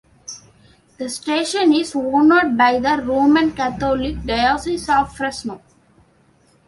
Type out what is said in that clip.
The station is owned by the Roman Catholic Diocese of Fresno.